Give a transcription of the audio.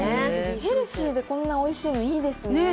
ヘルシーでこんなおいしいの、いいですね。